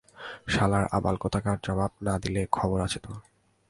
শালার আবাল কোথাকার, জবাব না দিলে খবর আছে তোর!